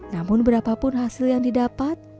namun berapapun hasil yang didapat